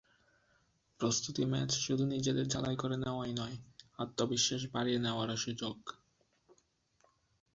প্রস্তুতি ম্যাচ শুধু নিজেদের ঝালাই করে নেওয়াই নয়, আত্মবিশ্বাস বাড়িয়ে নেওয়ার সুযোগও।